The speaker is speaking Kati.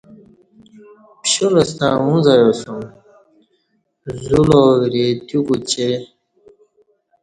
پشال ستݩع اُڅ ایاسوم زولاوری تیو کو چی